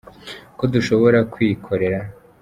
ko dushobora kwikorera.